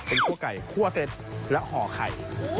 เป็นคั่วไก่คั่วเสร็จและห่อไข่